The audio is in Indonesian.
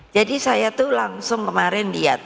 jadi saya tuh langsung kemarin lihat